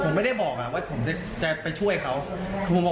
ร่วมว่าเขาถึงมาใกล้ว่าจะอะไรเค้า